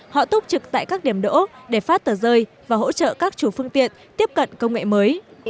họ túc trực tại các điểm đỗ để phát tờ rơi và hỗ trợ các chủ phương tiện tiếp cận công nghệ mới